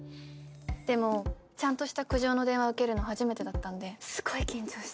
でもちゃんとした苦情の電話受けるの初めてだったんですごい緊張して。